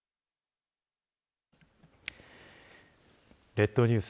列島ニュース